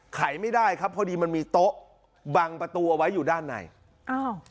ขายไม่ได้ครับพอดีมันมีโต๊ะบังประตูเอาไว้อยู่ด้านในอ้าว